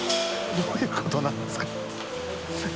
どういうことなんですか？